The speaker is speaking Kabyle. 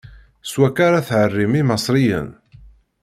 S wakka ara tɛerrim Imaṣriyen!